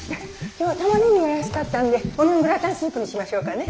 今日はタマネギが安かったんでオニオングラタンスープにしましょうかね。